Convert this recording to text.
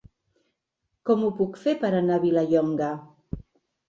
Com ho puc fer per anar a Vilallonga?